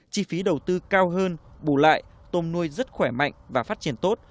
chi phí đầu tư cao hơn bù lại tôm nuôi rất khỏe mạnh và phát triển tốt